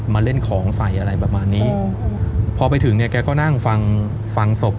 มาเล่นของใส่อะไรประมาณนี้พอไปถึงเนี่ยแกก็นั่งฟังฟังศพ